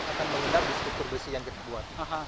akan mengendap di struktur besi yang kita buat